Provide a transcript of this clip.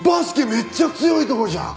めっちゃ強いとこじゃん！